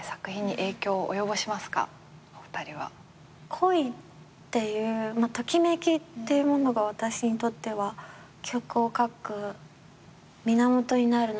恋っていうときめきってものが私にとっては曲を書く源になるなと思ってて。